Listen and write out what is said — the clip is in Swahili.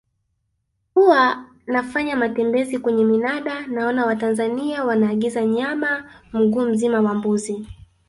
Huwa nafanya matembeezi kwenye minada naona Watanzania wanaagiza nyama mguu mzima wa mbuzi